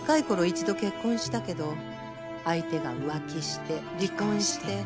一度結婚したけど相手が浮気して離婚して。